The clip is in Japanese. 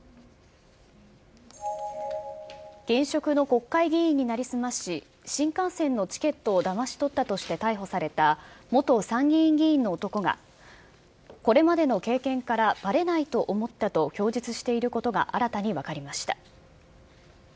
現職の国会議員に成り済まし、新幹線のチケットをだまし取ったとして逮捕された、元参議院議員の男が、これまでの経験から、ばれないと思ったと供述していることが新たに分かりました。